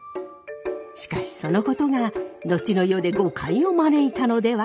しかしそのことが後の世で誤解を招いたのでは？